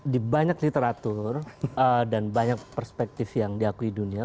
di banyak literatur dan banyak perspektif yang diakui dunia